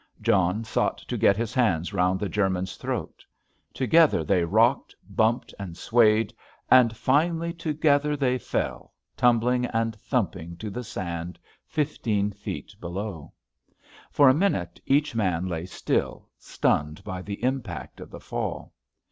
John sought to get his hands round the German's throat. Together they rocked, bumped, and swayed, and, finally, together they fell, tumbling and thumping to the sand, fifteen feet below. For a minute each man lay still, stunned by the impact of the fall.